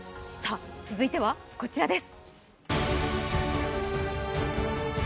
続いてはこちらです。